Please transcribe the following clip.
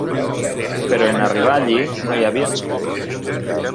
Però en arribar allí no hi havia excusa.